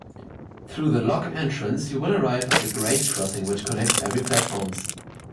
Through the lock entrance, you will arrive at the grade crossing which connects every platforms.